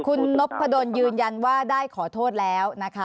คุณนพพะดนยืนยันว่าได้ขอโทษแล้ว